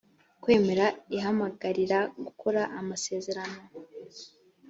kwemera ihamagarira gukora amasezerano